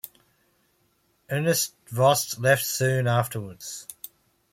Ernst Voss left soon afterwards.